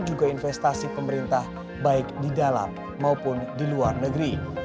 juga investasi pemerintah baik di dalam maupun di luar negeri